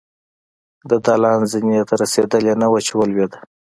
د دالان زينې ته رسېدلې نه وه چې ولوېدله.